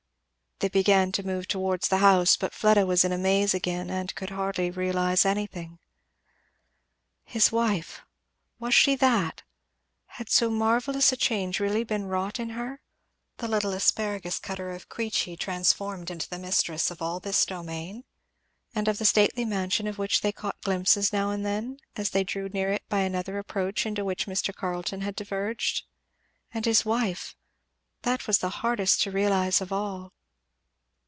They began to move towards the house, but Fleda was in a maze again and could hardly realize anything. "His wife"! was she that? had so marvellous a change really been wrought in her? the little asparagus cutter of Queechy transformed into the mistress of all this domain, and of the stately mansion of which they caught glimpses now and then, as they drew near it by another approach into which Mr. Carleton had diverged. And his wife! that was the hardest to realize of all.